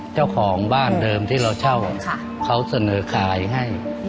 เจ้าของบ้านเดิมที่เราเช่าเขาเสนอขายให้